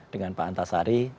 dengan pak antasari